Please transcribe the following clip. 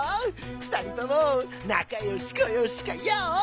ふたりともなかよしこよしかヨー？